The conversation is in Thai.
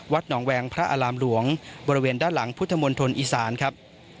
หนองแวงพระอารามหลวงบริเวณด้านหลังพุทธมณฑลอีสานครับ